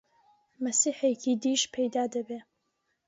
مەسیحێکی دیش پەیدا دەبێ!